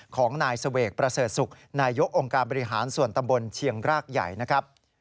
ของนายเสวกประเสริฐศุกร์นายกองค์การบริหารส่วนตำบลเชียงรากใหญ่นะครับ